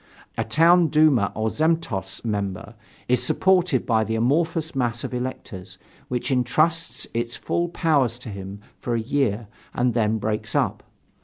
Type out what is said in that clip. A town duma or zemstvo member is supported by the amorphous mass of electors, which entrusts its full powers to him for a year and then breaks up.